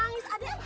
bangun aja abang